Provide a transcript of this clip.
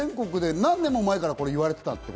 何年も前からこれ言われてた？